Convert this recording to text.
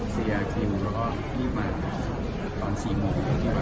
เสียคิวแล้วยืบมาตอน๔โมง